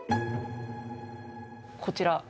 こちら。